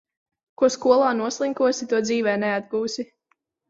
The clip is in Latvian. Ko skolā noslinkosi, to dzīvē neatgūsi.